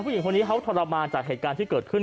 ผู้หญิงคนนี้เขาทรมานจากเหตุการณ์ที่เกิดขึ้น